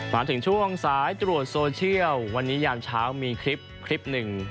มาถึงช่วงสายตรวจโซเชียลวันนี้ยามเช้ามีคลิปคลิปหนึ่ง